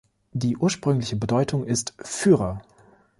Die ursprüngliche Bedeutung ist „Führer“.